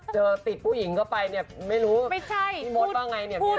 ถ้าติดผู้หญิงก็ไปไม่รู้